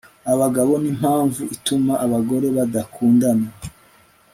abagabo nimpamvu ituma abagore badakundana